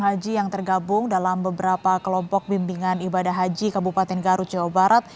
haji yang tergabung dalam beberapa kelompok bimbingan ibadah haji kabupaten garut jawa barat